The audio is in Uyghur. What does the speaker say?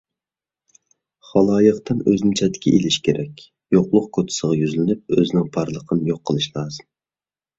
خالايىقتىن ئۆزىنى چەتكە ئېلىش كېرەك، يوقلۇق كوچىسىغا يۈزلىنىپ، ئۆزىنىڭ بارلىقىنى يوق قىلىش لازىم.